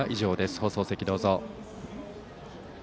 放送席、どうぞ。